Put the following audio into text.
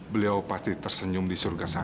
beliau pasti tersenyum di surga saya